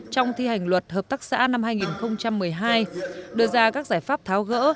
trong thi hành luật hợp tác xã năm hai nghìn một mươi hai đưa ra các giải pháp tháo gỡ